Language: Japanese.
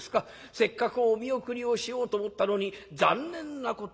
せっかくお見送りをしようと思ったのに残念なことをいたしました』